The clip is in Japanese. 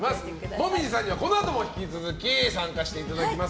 紅葉さんにはこのあとも引き続き参加していただきます。